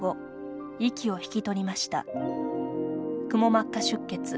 くも膜下出血。